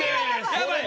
やばい。